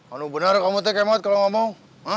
anu benar kamu tk mod kalau ngomong gitu